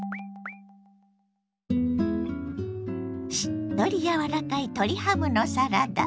しっとり柔らかい鶏ハムのサラダ。